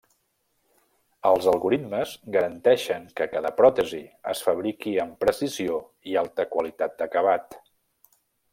Els algoritmes garanteixen que cada pròtesi es fabriqui amb precisió i alta qualitat d'acabat.